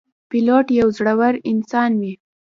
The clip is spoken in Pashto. پیلوټ یو زړهور انسان وي.